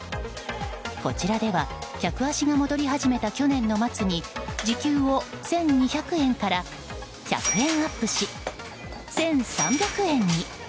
こちらでは客足が戻り始めた去年の末に時給を１２００円から１００円アップし１３００円に。